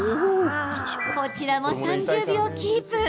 こちらも３０秒キープ。